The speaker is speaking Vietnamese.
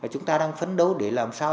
và chúng ta đang phấn đấu để làm sao